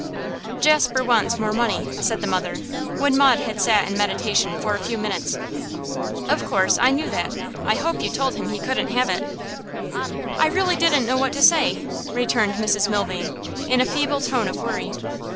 'Jasper wants more money,' said the mother, when Maud had sat in meditation for a few minutes. 'Of course. I knew that. I hope you told him he couldn't have it.' 'I really didn't know what to say,' returned Mrs Milvain, in a feeble tone of worry.